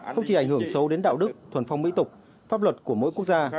không chỉ ảnh hưởng sâu đến đạo đức thuần phong mỹ tục pháp luật của mỗi quốc gia